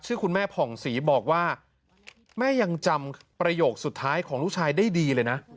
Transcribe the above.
คุณแม่ผ่องศรีบอกว่าแม่ยังจำประโยคสุดท้ายของลูกชายได้ดีเลยนะ